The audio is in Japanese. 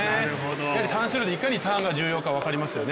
やはり短水路はいかにターンが重要か分かりますよね。